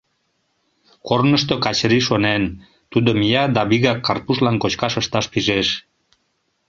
Корнышто Качыри шонен: тудо мия да вигак Карпушлан кочкаш ышташ пижеш.